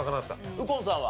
右近さんは？